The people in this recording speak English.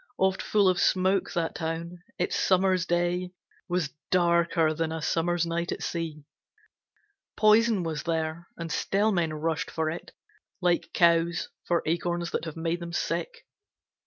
Oft full of smoke that town; its summer's day Was darker than a summer's night at sea; Poison was there, and still men rushed for it, Like cows for acorns that have made them sick.